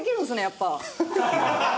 やっぱ。